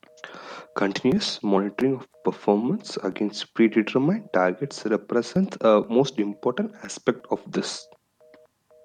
Continuous monitoring of performance, against predetermined targets, represents a most important aspect of this.